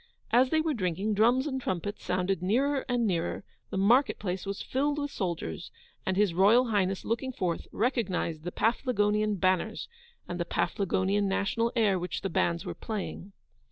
As they were drinking, drums and trumpets sounded nearer and nearer, the marketplace was filled with soldiers, and His Royal Highness looking forth, recognised the Paflagonian banners, and the Paflagonian national air which the bands were playing.